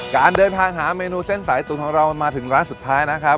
การเดินทางหาเมนูเส้นสายตุ๋นของเรามาถึงร้านสุดท้ายนะครับ